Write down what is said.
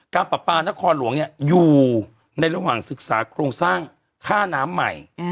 ประปานครหลวงอยู่ในระหว่างศึกษาโครงสร้างค่าน้ำใหม่